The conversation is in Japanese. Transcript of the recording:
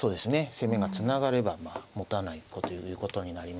攻めがつながればもたないということになります。